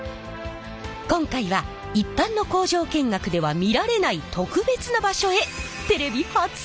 今回は一般の工場見学では見られない特別な場所へテレビ初潜入！